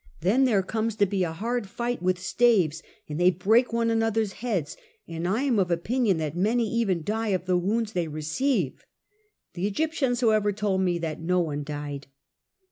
Then there comes to be a hard fight with staves, and they break one another's heads, and I am of opinion that many even die of the wounds they receive; the Egyptians however told me that no one died.